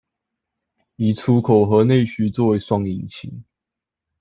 以出口和內需作為雙引擎